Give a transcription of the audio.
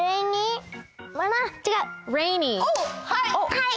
はい！